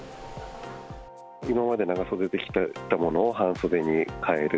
今まで長袖にしていたものを半袖に帰る。